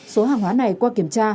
số hàng hóa này qua kiểm tra